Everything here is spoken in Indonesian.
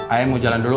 ayo mau jalan dulu